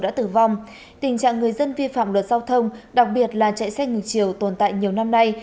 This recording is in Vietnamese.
đã tử vong tình trạng người dân vi phạm luật giao thông đặc biệt là chạy xe ngược chiều tồn tại nhiều năm nay